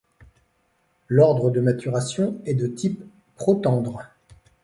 L'ordre de maturation est de type protandre.